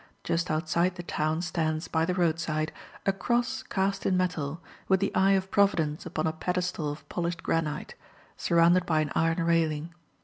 Just outside the town stands, by the roadside, a cross cast in metal, with the eye of Providence upon a pedestal of polished granite, surrounded by an iron railing.